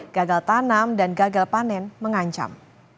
gagal tanam dan gagal panen mengancam